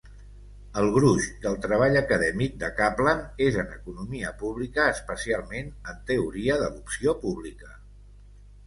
El gruix del treball acadèmic de Caplan és en economia pública, especialment en teoria de l'opció pública.